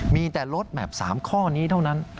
มีแต่ลดแหมพสามข้อนี้เดี๋ยวนั้น